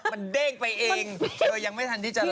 มันเด้งไปเองเธอยังไม่ทันที่จะ